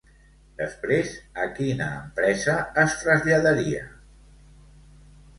Després, a quina empresa es traslladaria?